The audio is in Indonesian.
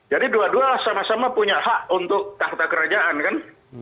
jadi dua dua sama sama punya hak untuk tahta kerajaan kan